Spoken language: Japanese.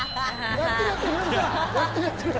やってる、やってる。